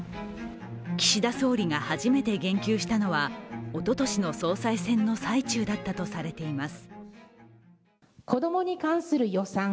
岸田総理が初めて言及したのは、おととしの総裁選の最中だったとされています。